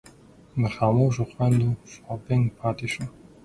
د خاموشو خویندو شاپنګ پاتې شو.